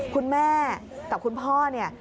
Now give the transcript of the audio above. คุณแม่กับคุณพ่อเนี่ย